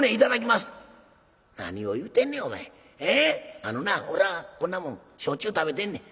あのな俺はこんなもんしょっちゅう食べてんねん。